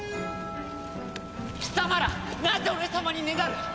貴様らなぜ俺様にねだる！？